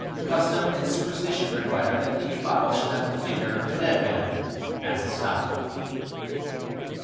Custom and superstition require that each bottle shall have the finger of a dead man as a stopper.